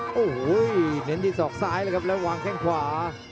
โอ้โห้ยเดี๋ยวสอบซ้ายแล้วครับแล้ววางแข่งขวา